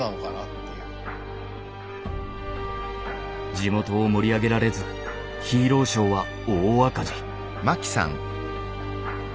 地元を盛り上げられずヒーローショーは大赤字。